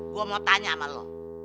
gue mau tanya sama lo